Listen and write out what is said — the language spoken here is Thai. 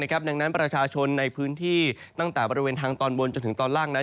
ดังนั้นประชาชนในพื้นที่ตั้งแต่บริเวณทางตอนบนจนถึงตอนล่างนั้น